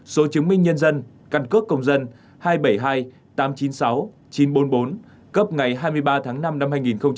số chứng minh nhân dân căn cước công dân hai bảy hai tám chín sáu chín bốn năm cấp ngày hai mươi ba tháng năm năm hai nghìn một mươi bảy